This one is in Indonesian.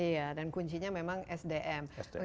iya dan kuncinya memang sdm